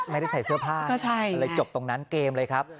ไม่ได้ใส่เสื้อผ้ามันเลยจบตรงนั้นเกมเลยครับ